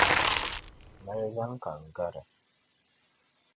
Mali zani ka n gari.